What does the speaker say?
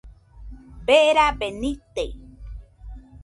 Berabe nite